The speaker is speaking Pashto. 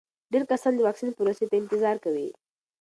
ډېر کسان د واکسین پروسې ته انتظار کوي.